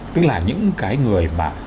tức là những cái người mà